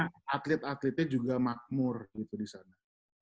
karena atlet atletnya juga makmur gitu di sana